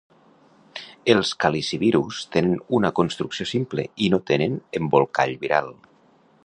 Els calicivirus tenen una construcció simple i no tenen embolcall viral.